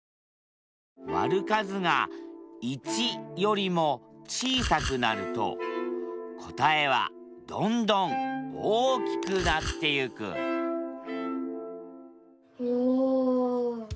割る数が１よりも小さくなると答えはどんどん大きくなってゆくおお！